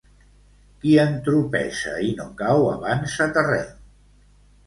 Qui entropessa i no cau avança terreny.